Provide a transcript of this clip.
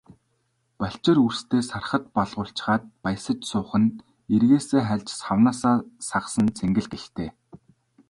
Балчир үрстээ сархад балгуулчхаад баясаж суух нь эргээсээ хальж, савнаасаа сагасан цэнгэл гэлтэй.